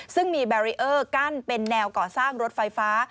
ซึ่งมีแบรีเออร์กั้นเป็นแนวก่อสร้างรถไฟฟ้า